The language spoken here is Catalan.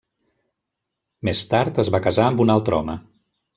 Més tard es va casar amb un altre home.